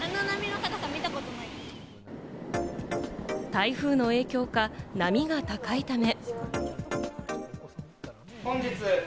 台風の影響か、波が高いため。